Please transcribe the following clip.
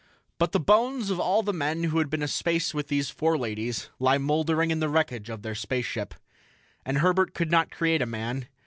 But the bones of all the men who had been aspace with these four ladies lay mouldering in the wreckage of their spaceship. And Herbert could not create a man.